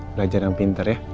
belajar yang pintar ya